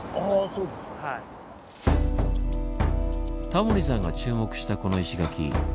タモリさんが注目したこの石垣。